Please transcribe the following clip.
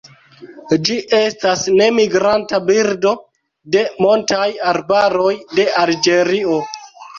Ĝi estas nemigranta birdo de montaj arbaroj de Alĝerio.